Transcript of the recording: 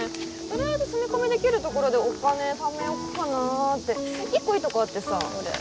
とりあえず住み込みできる所でお金ためよっかなーって１個いいとこあってさどれ？